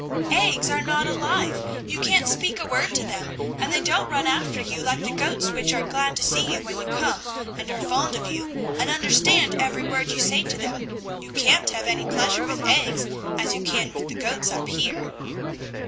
"Eggs are not alive, you can't speak a word to them, and they don't run after you like the goats which are glad to see you when you come, and are fond of you, and understand every word you say to them; you can't have any pleasure with eggs as you can with the goats up here."